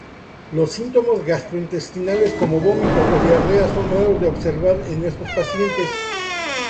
Los síntomas gastrointestinales como vómito o diarrea son raros de observar en estos pacientes.